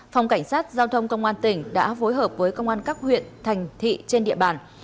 phòng cảnh sát giao thông công an tỉnh đã phối hợp với công an các huyện thành thị trên địa bàn